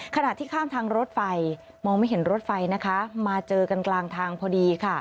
ขณะที่ข้ามทางรถไฟมองไม่เห็นรถไฟนะคะมาเจอกันกลางทางพอดีค่ะ